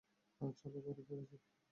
চলো বাড়ি ফেরা যাক।